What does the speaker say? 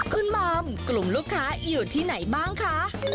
คุณมอมกลุ่มลูกค้าอยู่ที่ไหนบ้างคะ